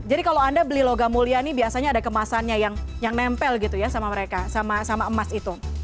jadi kalau anda beli logamulia ini biasanya ada kemasannya yang nempel gitu ya sama mereka sama emas itu